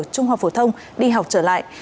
trung học phổ thông đi học trở lại